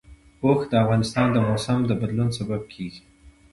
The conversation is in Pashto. اوښ د افغانستان د موسم د بدلون سبب کېږي.